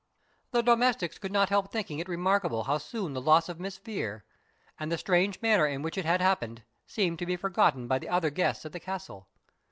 The domestics could not help thinking it remarkable how soon the loss of Miss Vere, and the strange manner in which it had happened, seemed to be forgotten by the other guests at the castle.